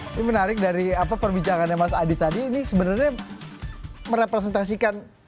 hai menarik dari apa perbicaraan yang mas adi tadi ini sebenarnya merepresentasikan